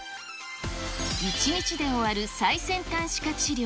１日で終わる最先端歯科治療。